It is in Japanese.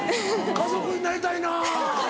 家族になりたいな。